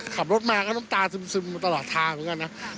ขับรถมาก็น้ำตาซึมตลอดทางเหมือนกันนะ